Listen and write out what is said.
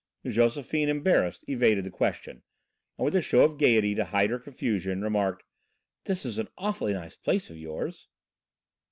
Josephine, embarrassed, evaded the question, and with a show of gaiety to hide her confusion, remarked: "This is an awfully nice place of yours."